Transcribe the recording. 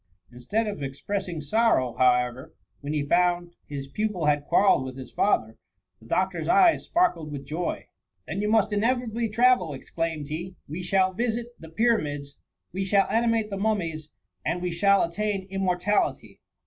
Instead of express ing sorrow, however^ when he found his pupil had quarrelled with his father, the doctor's eyes sparkled with joy —" Then you must in evitably travel,'' exclaimed he. We shall visit THE MUMMY. llS the pyramids, we shall animate the mummies, aod we shall attain immortality."